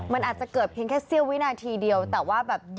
มันอาจจะเกิดแค่เซียววินาทีเดียวแต่หยาวนานแต่อยู่ได้ไง